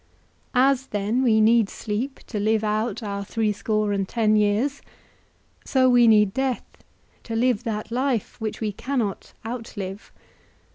As then we need sleep to live out our threescore and ten years, so we need death to live that life which we cannot outlive.